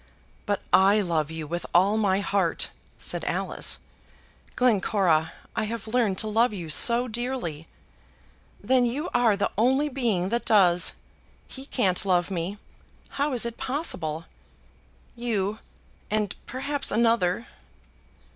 "But I love you with all my heart," said Alice. "Glencora, I have learned to love you so dearly!" "Then you are the only being that does. He can't love me. How is it possible? You, and perhaps another."